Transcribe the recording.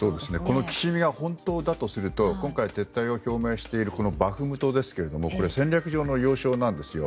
この軋みが本当だとすると今回撤退を表明しているバフムトですけれども戦略上の要衝なんですよ。